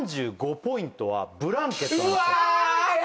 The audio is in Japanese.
３５ポイントはブランケットなんですよ